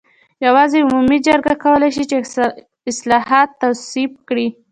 یوازې عمومي جرګه کولای شي چې اصلاحات تصویب کړي.